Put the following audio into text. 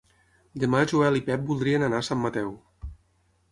Demà en Joel i en Pep voldrien anar a Sant Mateu.